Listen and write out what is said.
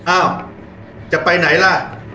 อ้าวจะไปไหนล่ะ